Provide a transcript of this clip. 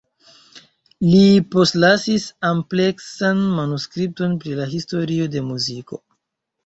Li postlasis ampleksan manuskripton pri la historio de muziko.